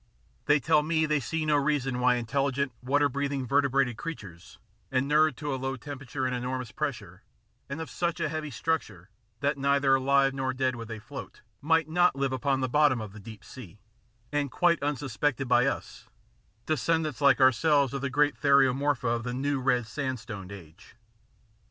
They tell me they see no reason why intelligent, water breathing, vertebrated creatures, inured to a low temperature and enormous pressure, and of such a heavy structure, that neither alive nor dead would they float, might not live upon the bottom of the deep sea, and quite unsuspected by us, descendants like ourselves of the great Theriomorpha of the New Red Sandstone age.